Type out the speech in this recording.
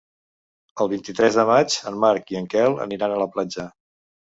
El vint-i-tres de maig en Marc i en Quel aniran a la platja.